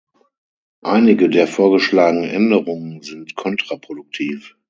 Einige der vorgeschlagenen Änderungen sind kontraproduktiv.